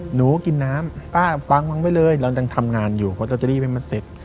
หนูกินน้ำป้าฟังไว้เลยเราต้องทำงานอยู่เพราะเราจะรีบให้มันเสร็จ